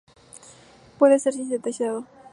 Puede ser sintetizado.